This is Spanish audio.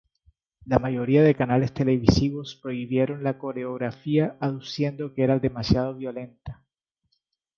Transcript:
La mayoría de canales televisivos prohibieron la coreografía aduciendo que era demasiado violenta.